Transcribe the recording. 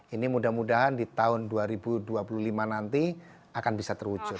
ini mudah mudahan di tahun dua ribu dua puluh lima nanti akan bisa terwujud